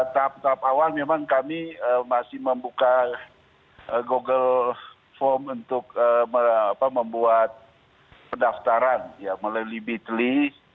tahap tahap awal memang kami masih membuka google form untuk membuat pendaftaran melalui bitlis